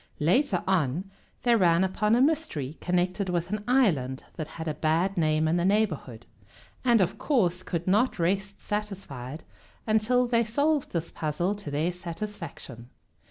Later on they ran upon a mystery connected with an island that had a bad name in the neighborhood, and of course could not rest satisfied until they solved this puzzle to their satisfaction.